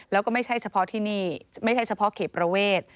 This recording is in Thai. แล้วก็ไม่ใช่เฉพาะที่นี่ไม่ใช่เฉพาะเขตประเวท